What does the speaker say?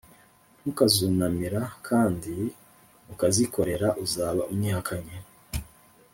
nukazunamira kandi ukazikorera uzaba unyihakanye